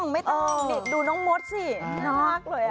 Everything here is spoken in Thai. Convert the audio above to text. ไม่ต้องดูน้องมฮมถซินักเลยอ่ะ